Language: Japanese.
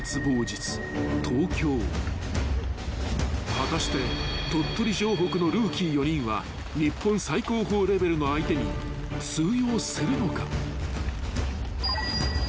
［果たして鳥取城北のルーキー４人は日本最高峰レベルの相手に通用するのか］